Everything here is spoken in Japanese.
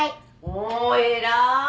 おっ偉い。